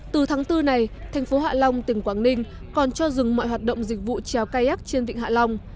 từ tháng bốn này thành phố hạ long tỉnh quảng ninh còn cho dừng mọi hoạt động dịch vụ trèo caic trên vịnh hạ long